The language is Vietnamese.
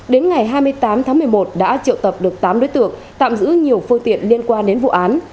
đến ngày hai mươi tám tháng một mươi một đã triệu tập được tám đối tượng tạm giữ nhiều phương tiện liên quan đến vụ án